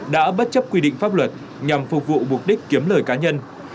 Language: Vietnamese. đã bất chấp quy định pháp luật nhằm phục vụ mục đích kiếm lời cá nhân